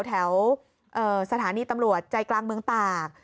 แถวสถานีตำรวจใจกลางเมืองตาก